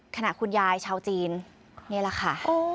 ขณะคุณยายชาวจีนนี่แหละค่ะ